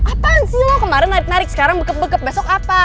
apaan sih lo kemarin narik narik sekarang bekep bekep besok apa